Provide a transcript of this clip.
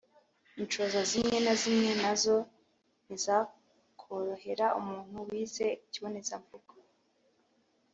Inshoza zimwe na zimwe na zo ntizakorohera umuntu wize ikibonezamvugo.